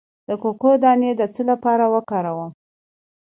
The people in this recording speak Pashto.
د کوکو دانه د څه لپاره وکاروم؟